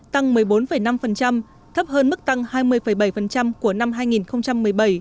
tăng một mươi bốn năm thấp hơn mức tăng hai mươi bảy của năm hai nghìn một mươi bảy